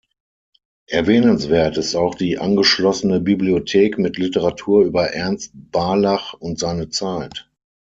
Erwähnenswert ist auch die angeschlossene Bibliothek mit Literatur über Ernst Barlach und seine Zeit.